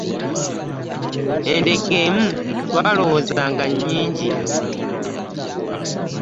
Endege emu twalowoozanga ng'enyingi.